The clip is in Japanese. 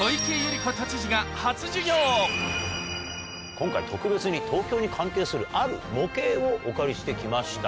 今回特別に東京に関係するある模型をお借りしてきました。